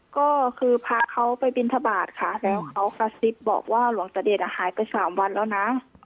ก็คือพระเขาไปบินทบาทค่ะแล้วเขากระซิบบอกว่าหลวงตะเดชหายไป๓วันแล้วนะ